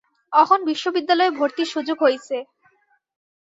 অহন বিশ্ববিদ্যালয়ে ভর্তির সুযোগ অইছে।